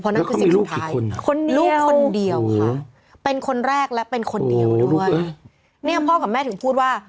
นั่นคือสิ่งสุดท้ายลูกคนเดียวค่ะเป็นคนแรกและเป็นคนเดียวด้วยเนี่ยพ่อกับแม่ถึงพูดว่า